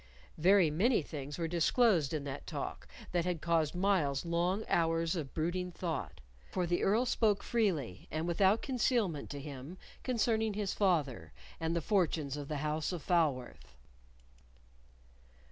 Very many things were disclosed in that talk that had caused Myles long hours of brooding thought, for the Earl spoke freely, and without concealment to him concerning his father and the fortunes of the house of Falworth.